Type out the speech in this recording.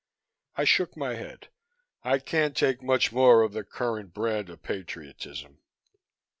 I shook my head. "I can't take much more of the current brand of patriotism."